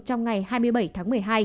trong ngày hai mươi bảy tháng một mươi hai